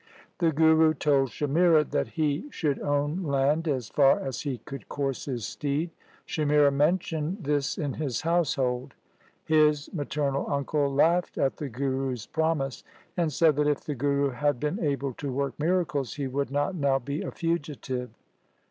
The Guru told Shamira that he should own land as far as he could course his steed. Shamira mentioned this in his household. His maternal uncle laughed at the Guru's promise, and said that if the Guru had been able to work miracles, he would not now be a fugitive.